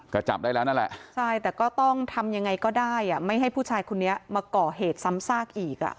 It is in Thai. ก็จับได้แล้วนั่นแหละใช่แต่ก็ต้องทำยังไงก็ได้ไม่ให้ผู้ชายคนนี้มาก่อเหตุซ้ำซากอีกอ่ะ